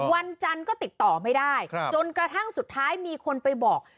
วันจันทร์ก็ติดต่อไม่ได้จนกระทั่งสุดท้ายมีคนไปบอก